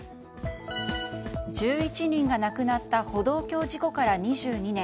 １１人が亡くなった歩道橋事故から２２年。